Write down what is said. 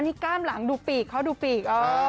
นี่กล้ามหลังดูปีกเขาดูปีก